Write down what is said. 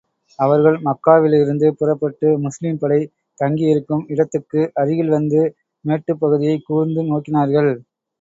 அவர்கள் மக்காவிலிருந்து புறப்பட்டு, முஸ்லிம் படை தங்கியிருக்கும் இடத்துக்கு அருகில் வந்து, மேட்டுப் பகுதியைக் கூர்ந்து நோக்கினார்கள்.